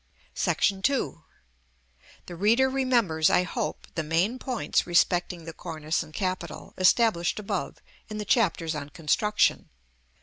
§ II. The reader remembers, I hope, the main points respecting the cornice and capital, established above in the Chapters on Construction.